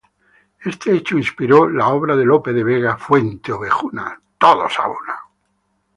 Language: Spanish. Este hecho inspiró la obra de Lope de Vega Fuenteovejuna.